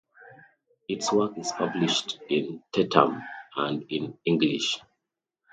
Its work is published in Tetum and in English.